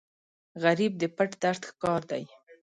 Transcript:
غریب د پټ درد ښکار دی